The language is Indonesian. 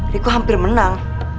riku hampir menang